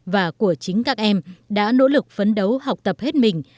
và của chính các em đã nỗ lực phấn đấu học tập hết mình